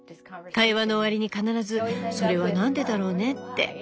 会話の終わりに必ず「それは何でだろうね？」って